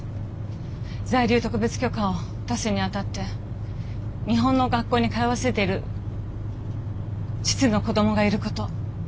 「在留特別許可を出すに当たって日本の学校に通わせている実の子供がいること。